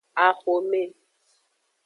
Axome.